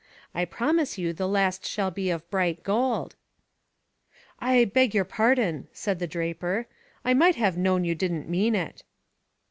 I promise you the last shall be of bright gold." "I beg your pardon," said the draper; "I might have known you didn't mean it."